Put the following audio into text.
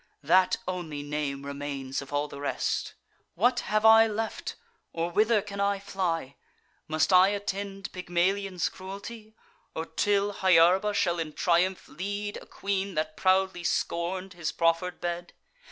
(That only name remains of all the rest!) What have I left? or whither can I fly? Must I attend Pygmalion's cruelty, Or till Hyarba shall in triumph lead A queen that proudly scorn'd his proffer'd bed?